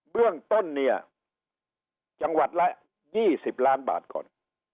เบื้องต้นเนี่ยจังหวัดละ๒๐ล้านบาทก่อน